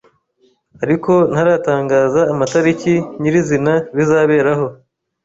ariko ntaratangaza amatariki nyir’izina bizaberaho